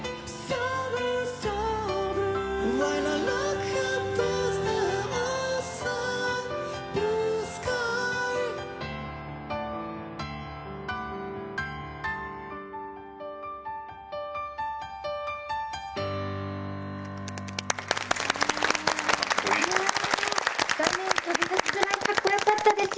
かっこよかったです。